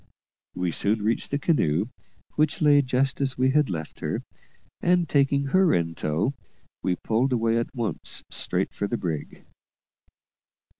We soon reached the canoe, which lay just as we had left her, and, taking her in tow, we pulled away at once straight for the brig.